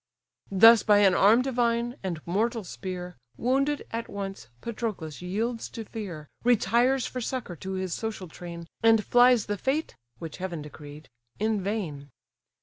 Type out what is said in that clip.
Thus, by an arm divine, and mortal spear, Wounded, at once, Patroclus yields to fear, Retires for succour to his social train, And flies the fate, which heaven decreed, in vain.